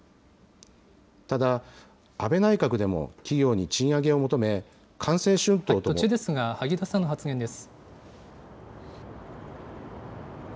ただ、安倍内閣でも、企業に賃上げを求め、途中ですが、萩生田さんの発言です。